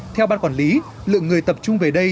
theo ban quản lý lượng người tập trung về đây